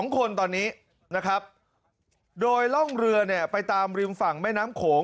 ๒คนตอนนี้นะครับโดยล่องเรือเนี่ยไปตามริมฝั่งแม่น้ำโขง